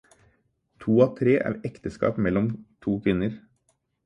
To av tre er ekteskap mellom to kvinner.